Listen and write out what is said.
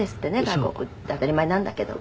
外国って当たり前なんだけど。